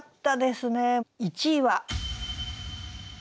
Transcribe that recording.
１位は。